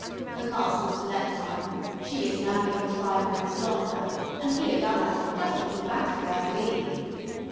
The Castle's to let now; she is an ambulance driver in Salonika, and he a gunner just got his battery, I believe.